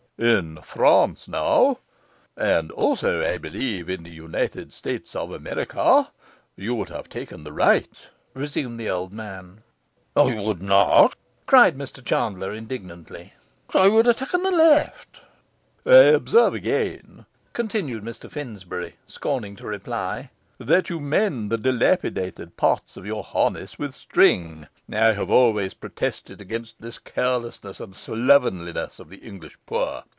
'In France, now,' resumed the old man, 'and also, I believe, in the United States of America, you would have taken the right.' 'I would not,' cried Mr Chandler indignantly. 'I would have taken the left.' 'I observe again,' continued Mr Finsbury, scorning to reply, 'that you mend the dilapidated parts of your harness with string. I have always protested against this carelessness and slovenliness of the English poor.